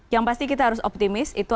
yang pasti kita harus optimis